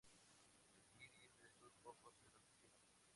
El iris de sus ojos es blanquecino.